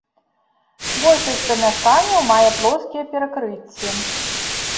Большасць памяшканняў мае плоскія перакрыцці.